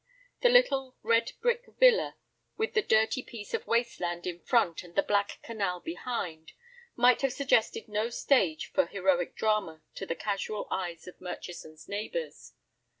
The little, red brick villa, with the dirty piece of waste land in front and the black canal behind, might have suggested no stage for heroic drama to the casual eyes of Murchison's neighbors.